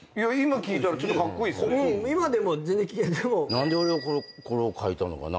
何で俺はこれを書いたのかな。